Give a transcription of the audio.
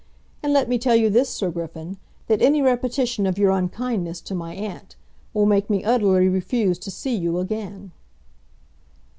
And let me tell you this, Sir Griffin, that any repetition of your unkindness to my aunt will make me utterly refuse to see you again."